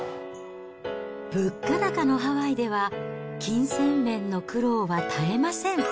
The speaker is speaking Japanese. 物価高のハワイでは、金銭面の苦労は絶えません。